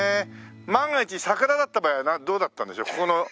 万が一桜だった場合はどうだったんでしょう？